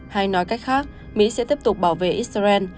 hay nói cách khác mỹ sẽ tiếp tục bảo vệ israel